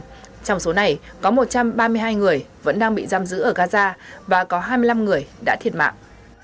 trong số này có một trăm ba mươi hai người vẫn đang bị giam giữ ở gaza và có hai mươi năm người đã thiệt mạng